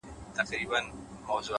هوډ د ستونزو تر منځ لار جوړوي’